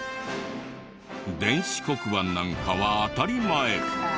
電子黒板なんかは当たり前。